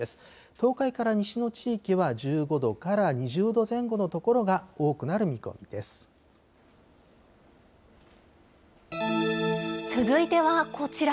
東海から西の地域では１５度から２０度前後の所が多くなる見込み続いてはこちら。